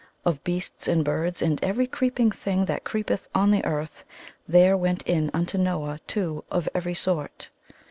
Of beasts and birds and every creeping thing that creepeth on the earth, there went in unto Noah two of every sort.